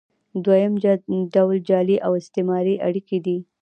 دویم ډول جعلي او استثماري اړیکې دي.